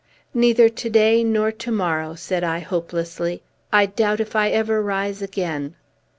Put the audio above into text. "Neither to day nor to morrow," said I hopelessly. "I doubt if I ever rise again!"